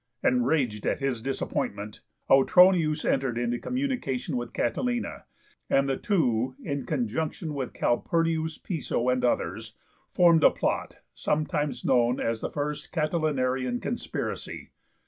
Enraged at his disappointment, Autronius entered into communication with Catilina, and the two, in conjunction with Cn. Piso and others, formed a plot, sometimes known as the 'First Catilinarian conspiracy.'